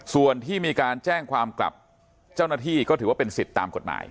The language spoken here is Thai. ส่วนที่มีการแจ้งความกลับเจ้าหน้าที่ก็ถือว่าเป็นสิทธิ์ตามกฎหมาย